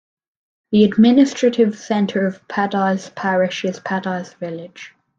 The administrative centre of Padise Parish is Padise village.